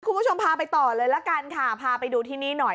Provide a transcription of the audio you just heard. คุณผู้ชมพาไปต่อเลยละกันค่ะพาไปดูที่นี่หน่อย